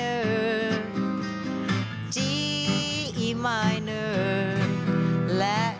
ฮือฮือฮือฮือฮือ